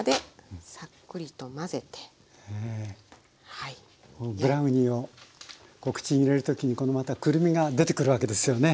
このブラウニーを口に入れる時にこのまたくるみが出てくるわけですよね。